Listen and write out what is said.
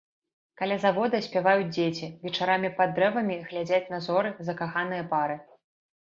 Каля завода спяваюць дзеці, вечарамі пад дрэвамі глядзяць на зоры закаханыя пары.